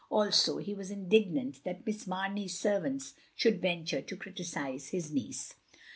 Also he was indignant that Miss Mamey's servants shotild venture to criticise his niece.